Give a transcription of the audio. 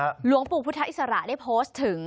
หลวงปู่พุทธอิสระได้โพสต์ถึง